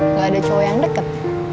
nggak ada cowok yang deket